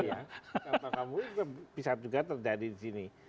contoh kamu itu bisa juga terjadi di sini